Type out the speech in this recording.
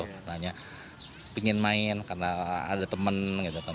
karena ingin main karena ada teman gitu kan